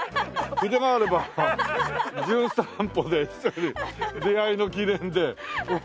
筆があれば『じゅん散歩』で出会いの記念で。